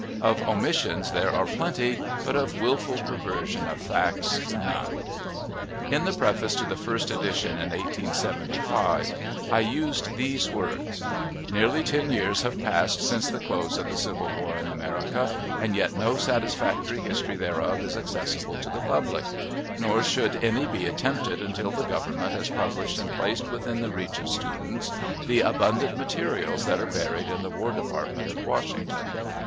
Of omissions there are plenty, but of wilful perversion of facts, none. In the preface to the first edition, in 1875, I used these words: "Nearly ten years have passed since the close of the civil war in America, and yet no satisfactory history thereof is accessible to the public; nor should any be attempted until the Government has published, and placed within the reach of students, the abundant materials that are buried in the War Department at Washington.